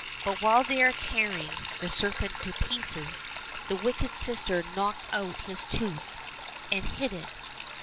But while they were tearing the serpent to pieces the wicked sister knocked out his tooth and hid it.